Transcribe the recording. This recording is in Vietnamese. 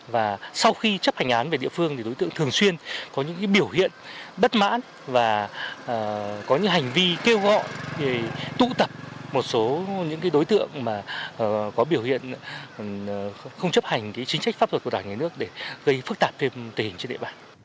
và sau khi chấp hành án về địa phương thì đối tượng thường xuyên có những biểu hiện bất mãn và có những hành vi kêu gọi tụ tập một số những đối tượng có biểu hiện không chấp hành chính trách pháp luật của đảng nhà nước để gây phức tạp thêm tình hình trên địa bàn